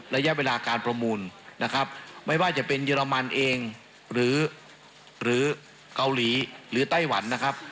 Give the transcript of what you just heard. ระยะเวลาการประมูลนะครับไม่ว่าจะเป็นเยอรมันเองหรือเกาหลีหรือไต้หวันนะครับ